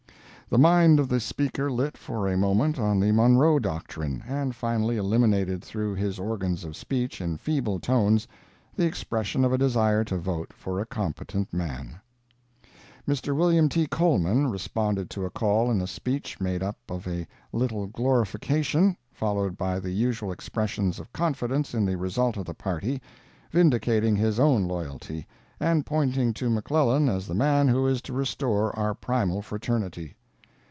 The mind of the speaker lit for a moment on the Monroe Doctrine, and finally eliminated through his organs of speech in feeble tones, the expression of a desire to vote for a competent man. Mr. Wm. T. Coleman responded to a call in a speech made up of a little glorification, followed by the usual expressions of confidence in the result of the party, vindicating his own loyalty, and pointing to McClellan as the man who is to restore our primal fraternity.